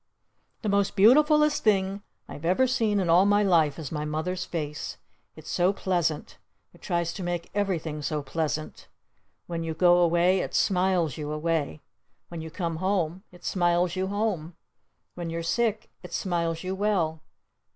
The most beautifulest thing I've ever seen in all my life is my Mother's face! It's so pleasant! It tries to make everything so pleasant! When you go away it smiles you away! When you come home it smiles you home! When you're sick it smiles you well!